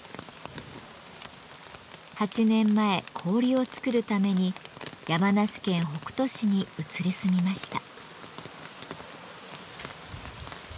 ８年前氷を作るために山梨県北杜市に移り住みました。